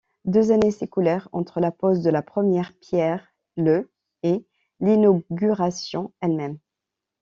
Deux années s'écoulèrent entre la pose de la première pierre, le et l'inauguration elle-même.